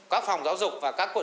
các phòng giáo dục